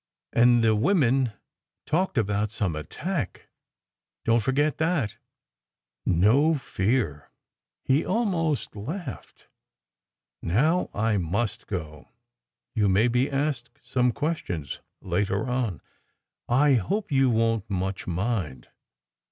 "And the women talked about some attack! Don t forget that." 108 SECRET HISTORY "No fear! " he almost laughed. "Now I must go. You may be asked some questions later on. I hope you won t much mind."